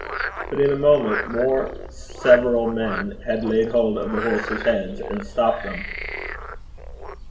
But in a moment more several men had laid hold of the horses' heads, and stopped them.